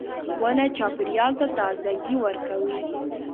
• ونه چاپېریال ته تازهګۍ ورکوي.